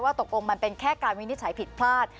ตกลงมันเป็นแค่การวินิจฉัยผิดพลาด